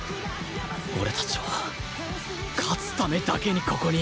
俺たちは勝つためだけにここにいる！